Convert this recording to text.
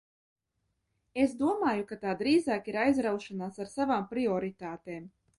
Es domāju, ka tā drīzāk ir aizraušanās ar savām prioritātēm.